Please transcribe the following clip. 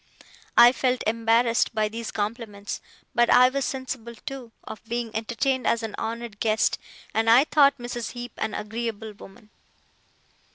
I felt embarrassed by these compliments; but I was sensible, too, of being entertained as an honoured guest, and I thought Mrs. Heep an agreeable woman.